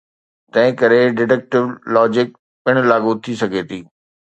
تنهن ڪري deductive logic پڻ لاڳو ٿي سگهي ٿي.